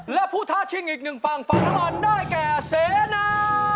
และผู้ท้าชิงอีกหนึ่งฝั่งฝั่งน้ำมันได้แก่เสนา